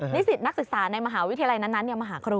นิสิตนักศึกษาในมหาวิทยาลัยนั้นมาหาครู